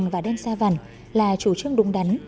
và đen xa vẳn là chủ trương đúng đắn